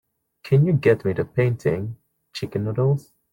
Can you get me the painting, Chicken Noodles?